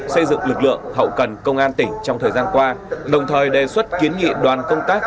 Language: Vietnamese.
xây dựng lực lượng hậu cần công an tỉnh trong thời gian qua đồng thời đề xuất kiến nghị đoàn công tác